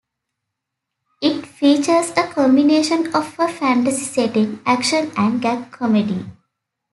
It features a combination of a fantasy setting, action and gag comedy.